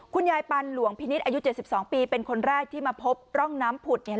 คุณยายปันหลวงพินิศอายุเจ็ดสิบสองปีเป็นคนแรกที่มาพบร่องน้ำผุดเนี่ย